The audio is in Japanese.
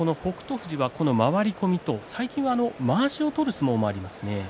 富士が回り込むとまわしを取る相撲がありますね。